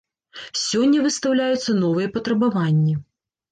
Сёння выстаўляюцца новыя патрабаванні.